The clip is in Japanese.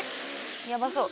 やばそう！